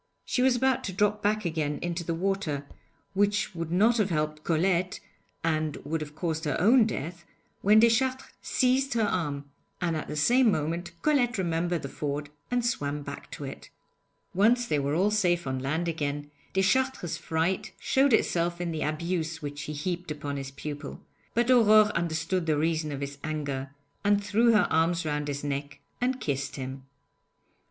She was about to drop back again into the water, which would not have helped Colette and would have caused her own death, when Deschartres seized her arm; and at the same moment Colette remembered the ford and swam back to it. Once they were all safe on land again, Deschartres' fright showed itself in the abuse which he heaped upon his pupil, but Aurore understood the reason of his anger, and threw her arms round his neck and kissed him.